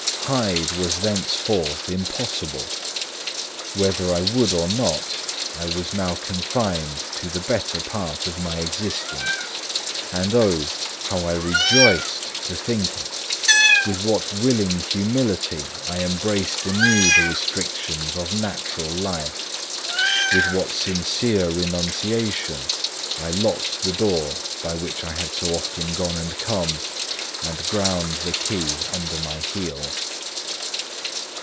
Hyde was thenceforth impossible; whether I would or not, I was now confined to the better part of my existence; and O, how I rejoiced to think of it! with what willing humility I embraced anew the restrictions of natural life! with what sincere renunciation I locked the door by which I had so often gone and come, and ground the key under my heel!